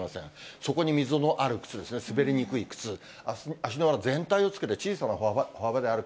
底に溝のある靴ですね、滑りにくい靴、足の裏全体をつけて、小さな歩幅で歩く。